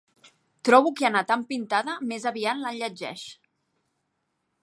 Trobo que anar tan pintada més aviat l'enlletgeix.